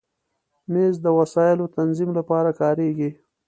مېز د وسایلو تنظیم لپاره کارېږي.